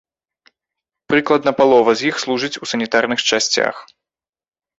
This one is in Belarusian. Прыкладна палова з іх служаць у санітарных часцях.